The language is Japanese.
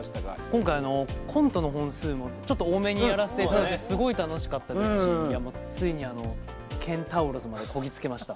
今回コントの本数もちょっと多めにやらせていただいてすごい楽しかったですしついにケンタウロスまでこぎ着けました。